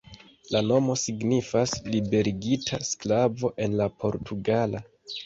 La nomo signifas "liberigita sklavo" en la portugala.